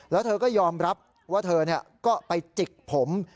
แล้วเธอก็ยอมรับว่าเธอก็ไปจิกผม